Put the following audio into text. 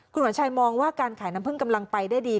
คุณขวัญชัยมองว่าการขายน้ำผึ้งกำลังไปได้ดี